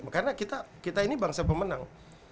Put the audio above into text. karena kita ini bangsa pemenang